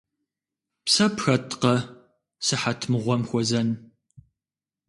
Псэ пхэткъэ, сыхьэт мыгъуэм хуэзэн?